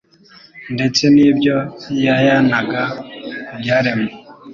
ndetse n'ibyo yayanaga ku byaremwe.